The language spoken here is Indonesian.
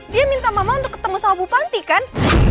dia minta mama untuk ketemu sama bu panti kan